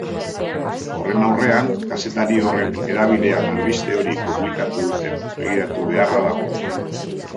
Horren aurrean, kazetari horren hedabidean albiste hori publikatu duten begiratu beharra dago.